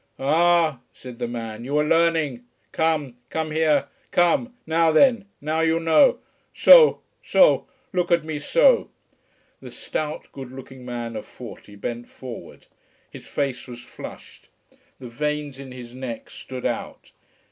"Ah," said the man, "you are learning. Come! Come here! Come! Now then! Now you know. So! So! Look at me so!" The stout, good looking man of forty bent forward. His face was flushed, the veins in his neck stood out.